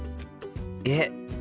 えっ？